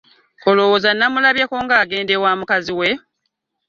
Olowooza namulabyeko ng'agenda ewa mukazi we?